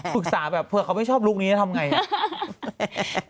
ปรึกษาแบบเผื่อเขาไม่ชอบลุครับทำอย่างไร